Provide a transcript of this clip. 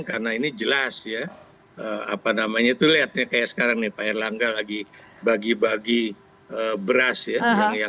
karena ini jelas ya apa namanya itu lihat kayak sekarang nih pak erlangga lagi bagi bagi beras ya